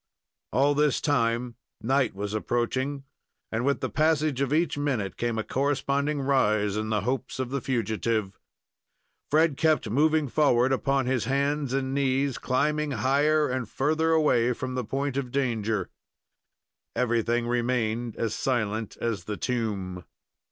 All this time night was approaching, and with the passage of each minute came a corresponding rise in the hopes of the fugitive. Fred kept moving forward upon his hands and knees, climbing higher and further away from the point of danger. Everything remained as silent as the tomb.